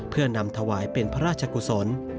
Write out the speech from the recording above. เพื่อนำถวายเป็นพระราชกุศล